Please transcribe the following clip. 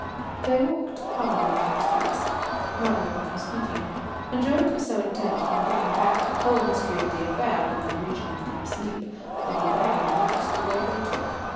They walked hurriedly through the streets, neither of them speaking; and Jones was so intent upon getting back the whole history of the affair from the region of deep sleep, that he barely noticed the way they took.